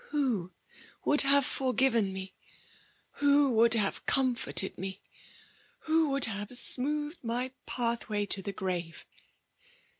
" HTn would have forgiven me, who Would have cmt^ forted me, who would have smoothed my path vi^y to the grave